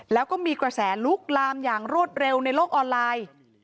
แล้วก็มีกระแสลุกลามอย่างรวดเร็วในโลกออนไลน์